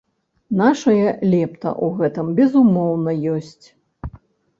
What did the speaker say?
Нашая лепта ў гэтым, безумоўна, ёсць.